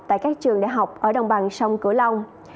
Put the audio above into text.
tại các trường đại học ở đồng bằng sông cửu long